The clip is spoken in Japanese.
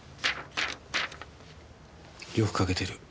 よく書けてる。